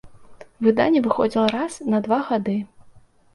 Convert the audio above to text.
Выданне выходзіла раз на два гады.